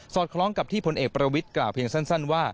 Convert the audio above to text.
คล้องกับที่พลเอกประวิทย์กล่าวเพียงสั้นว่า